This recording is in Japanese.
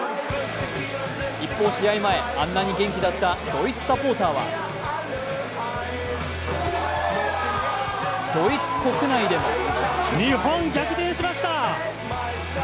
一方、試合前、あんなに元気だったドイツサポーターはドイツ国内でも日本、逆転しました！